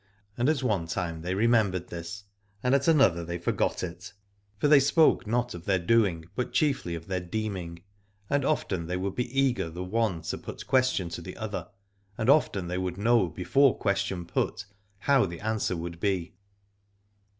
And at one time they remembered this, and at another they forgot it : for they spoke not of their doing but chiefiy of their deeming, and often they would be eager the one to 28 Aladore put question to the other, and often they would know before question put how the answer would be.